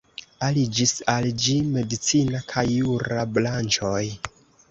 Aliĝis al ĝi medicina kaj jura branĉoj.